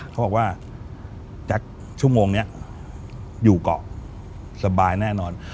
เขาบอกว่าแจ๊คชั่วโมงนี้อยู่เกาะสบายแน่นอน